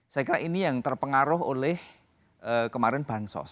saya kira ini yang terpengaruh oleh kemarin bansos